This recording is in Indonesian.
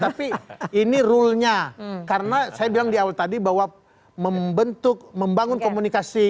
tapi ini rule nya karena saya bilang di awal tadi bahwa membentuk membangun komunikasi